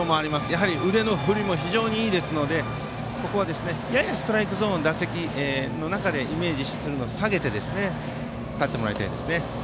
やはり腕の振りが非常にいいのでここはややストライクゾーン打席の中でイメージするのを下げて立ってもらいたいですね。